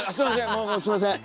もうすんません。